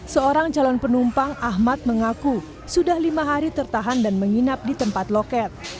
seorang calon penumpang ahmad mengaku sudah lima hari tertahan dan menginap di tempat loket